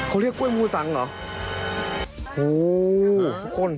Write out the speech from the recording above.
อะไรนะแหม